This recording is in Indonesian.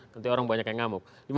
nanti orang banyak yang ngamuk